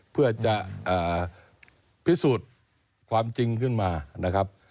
เพื่อจะพิสูจน์ความจริงขึ้นมานะครับ